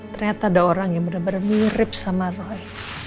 ternyata ada orang yang benar benar mirip sama roy